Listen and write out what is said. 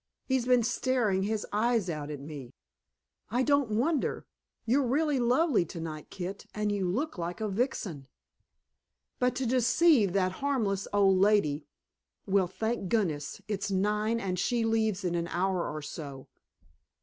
He's been staring his eyes out at me " "I don't wonder. You're really lovely tonight, Kit, and you look like a vixen." "But to deceive that harmless old lady well, thank goodness, it's nine, and she leaves in an hour or so."